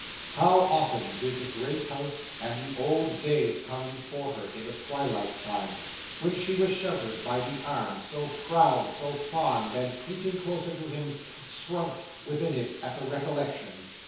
How often did the great house, and the old days, come before her in the twilight time, when she was sheltered by the arm, so proud, so fond, and, creeping closer to him, shrunk within it at the recollection!